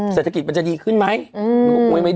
เศรษฐกิจมันจะดีขึ้นไหม